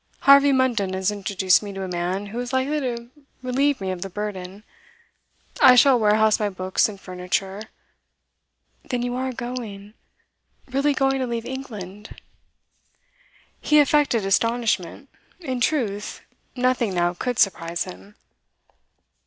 Harvey Munden has introduced me to a man who is likely to relieve me of the burden. I shall warehouse my books and furniture ' 'Then you are going? Really going to leave England?' He affected astonishment; in truth, nothing now could surprise him.